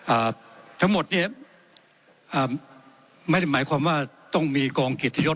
อ่าทั้งหมดเนี้ยอ่าไม่ได้หมายความว่าต้องมีกองเกียรติยศ